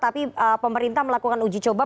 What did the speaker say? tapi pemerintah melakukan ujicoba